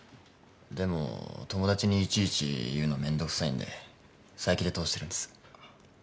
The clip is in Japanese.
でも友達にいちいち言うのめんどくさいんで佐伯で通してるんです。